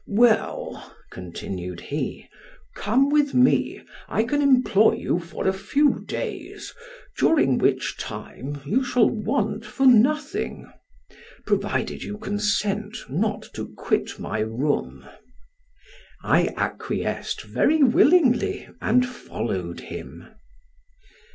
"Well," continued he, "come with me, I can employ you for a few days, during which time you shall want for nothing; provided you consent not to quit my room." I acquiesced very willingly, and followed him.